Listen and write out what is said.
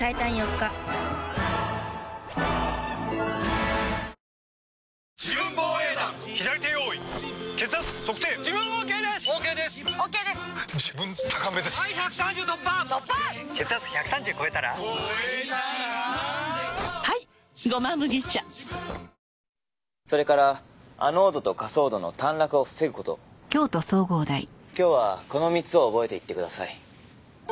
今日はこの３つを覚えていってください。